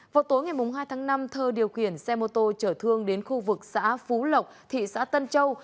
vào tối ngày hai tháng năm thơ điều khiển xe mô tô trở thương đến khu vực xã phú lộc thị xã tân châu